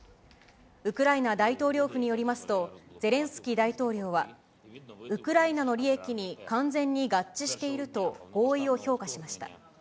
ウクライナ大統領府によりますと、ゼレンスキー大統領は、ウクライナの利益に完全に合致していると合意を評価しました。